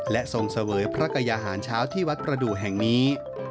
และทรงเสวยพระกยาหารเช้าที่วัดประดูกแห่งนี้